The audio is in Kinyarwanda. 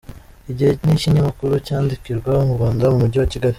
Igihe nikinyamakuru cyandikirwa mu rwanda mu mujyi wa kigali.